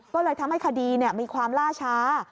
ก็เลยทำให้คดีมีความล่าช้า